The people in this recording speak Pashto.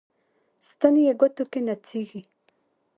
ستن یې ګوتو کې نڅیږي